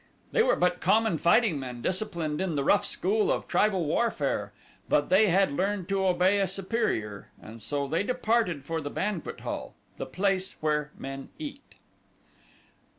They were but common fighting men disciplined in the rough school of tribal warfare, but they had learned to obey a superior and so they departed for the banquet hall the place where men eat.